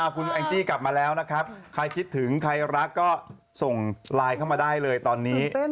คุณแองจี้กลับมาแล้วนะครับใครคิดถึงใครรักก็ส่งไลน์เข้ามาได้เลยตอนนี้